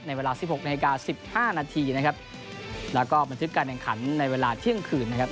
เวลาสิบหกนาฬิกาสิบห้านาทีนะครับแล้วก็บันทึกการแข่งขันในเวลาเที่ยงคืนนะครับ